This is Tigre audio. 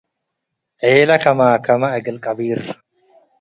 ዔለ ከማከመ እግል ቀቢር